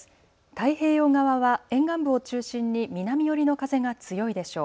太平洋側は沿岸部を中心に南寄りの風が強いでしょう。